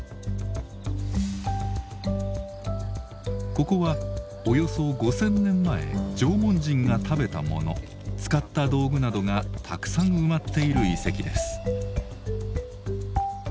ここはおよそ５０００年前縄文人が食べたもの使った道具などがたくさん埋まっている遺跡です。